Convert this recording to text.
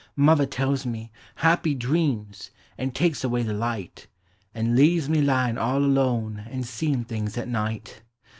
Mother tells me "Happy dreams!" and takes away (he light, An' leaves me lyiu' all alone an' seem' things at night!